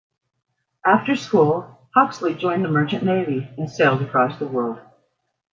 After school, Hawksley joined the Merchant Navy, and sailed across the world.